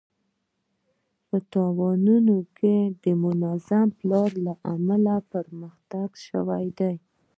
په تایوان کې د منظم پلان له امله پرمختګ شوی دی.